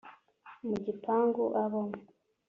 Mu gipangu abamo